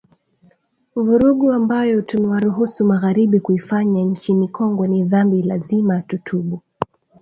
Vurugu ambayo tumewaruhusu magharibi kuifanya nchini Kongo ni dhambi lazima tutubu